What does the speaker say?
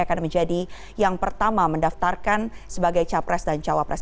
akan menjadi yang pertama mendaftarkan sebagai capres dan cawapres